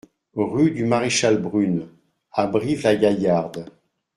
Rue du Maréchal Brune à Brive-la-Gaillarde